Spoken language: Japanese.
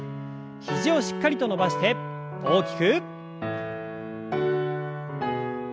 肘をしっかりと伸ばして大きく。